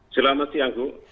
selamat siang bu